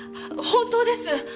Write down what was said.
本当です！